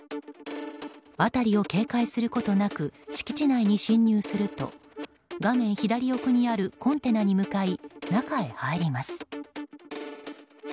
辺りを警戒することなく敷地内に侵入すると画面左奥にあるコンテナに向かい中に入ります。